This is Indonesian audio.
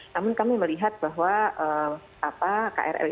namun kami melihat bahwa krl